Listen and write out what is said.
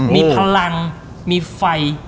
มีพลังมีไฟ